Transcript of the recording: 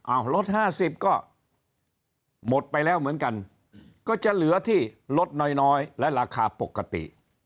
ลด๕๐ก็หมดไปแล้วเหมือนกันก็จะเหลือที่ลดน้อยและราคาปกติ